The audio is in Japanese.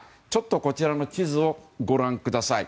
こちらの地図をご覧ください。